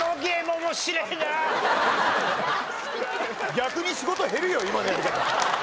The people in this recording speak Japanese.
逆に仕事減るよ今のやり方。